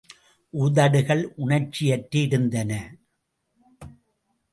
உதடுகள் உணர்ச்சியற்று இருந்தன.